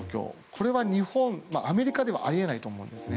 これはアメリカではあり得ないと思うんですね。